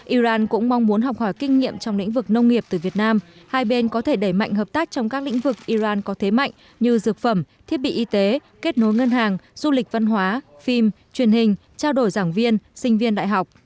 iran cũng mong muốn học hỏi kinh nghiệm trong lĩnh vực nông nghiệp từ việt nam hai bên có thể đẩy mạnh hợp tác trong các lĩnh vực iran có thế mạnh như dược phẩm thiết bị y tế kết nối ngân hàng du lịch văn hóa phim truyền hình trao đổi giảng viên sinh viên đại học